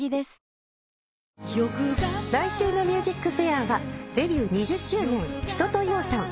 来週の『ＭＵＳＩＣＦＡＩＲ』はデビュー２０周年一青窈さん。